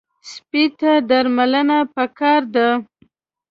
سپي ته درملنه پکار ده.